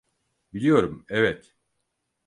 Biliyorum, evet.